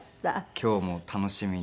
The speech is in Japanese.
今日も楽しみに。